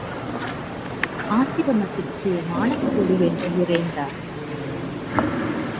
ஆசிரமத்திற்கே மானக் கேடு என்று இரைந்தார்.